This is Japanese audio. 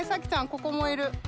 ここもいる。